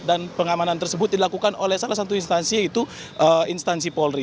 dan pengamanan tersebut dilakukan oleh salah satu instansi yaitu instansi polri